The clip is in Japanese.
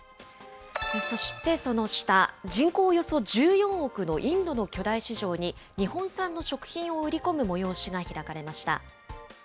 そしてその下、人口およそ１４億のインドの巨大市場に、日本産の食品を売り込む催しが開かれました。